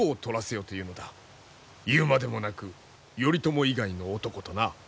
言うまでもなく頼朝以外の男とな。